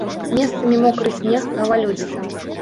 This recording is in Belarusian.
Месцамі мокры снег, галалёдзіца.